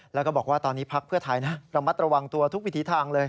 แล้วก็บอกว่าตอนนี้พักเพื่อไทยนะระมัดระวังตัวทุกวิถีทางเลย